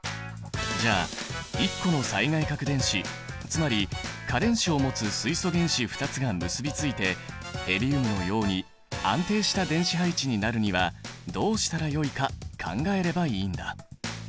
じゃあ１個の最外殻電子つまり価電子を持つ水素原子２つが結びついてヘリウムのように安定した電子配置になるにはどうしたらよいか考えればいいんだ。